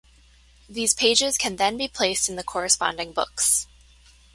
These pages can then be placed in the corresponding books.